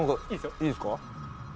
いいですか？